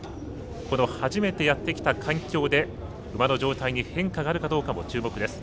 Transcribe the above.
初めてやってきた環境で馬の状態に変化があるかどうかも注目です。